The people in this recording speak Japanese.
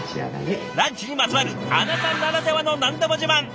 ランチにまつわるあなたならではの何でも自慢！